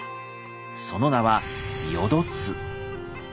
その名は「よどつ」。